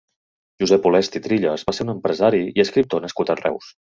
Josep Olesti Trilles va ser un empresari i escriptor nascut a Reus.